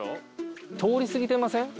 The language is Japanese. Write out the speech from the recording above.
通り過ぎてません？